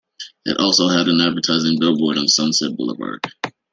It also had an advertising billboard on Sunset Boulevard.